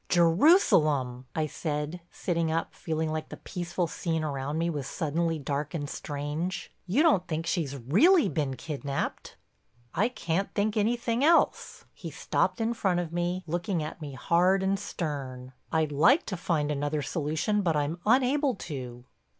"Jerusalem!" I said, sitting up, feeling like the peaceful scene around me was suddenly dark and strange. "You don't think she's really been kidnaped?" "I can't think anything else." He stopped in front of me, looking at me hard and stern. "I'd like to find another solution but I'm unable to."